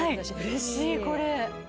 うれしいこれ。